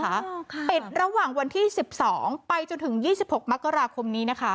ค่ะปิดระหว่างวันที่สิบสองไปจนถึงยี่สิบหกมกราคมนี้นะคะ